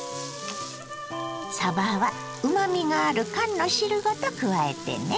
さばはうまみがある缶の汁ごと加えてね。